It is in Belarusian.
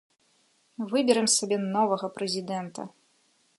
Выбярэм сабе новага прэзідэнта!